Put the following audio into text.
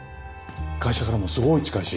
会社からもすごい近いし。